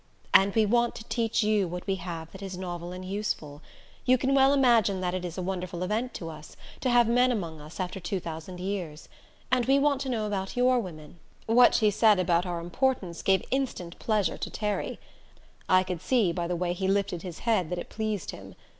"And we want to teach you what we have that is novel and useful. You can well imagine that it is a wonderful event to us, to have men among us after two thousand years. And we want to know about your women." What she said about our importance gave instant pleasure to Terry. I could see by the way he lifted his head that it pleased him.